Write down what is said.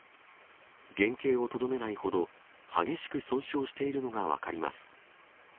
原形をとどめないほど激しく損傷しているのが分かります。